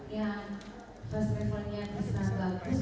yang first travel nya bisa bagus